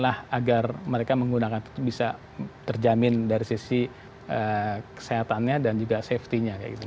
dan agar mereka menggunakan itu bisa terjamin dari sisi kesehatannya dan juga safety nya